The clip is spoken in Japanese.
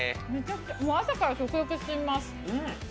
朝から食欲進みます。